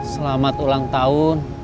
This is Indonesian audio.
selamat ulang tahun